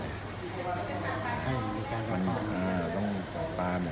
คืออ่าต้องปลาหมด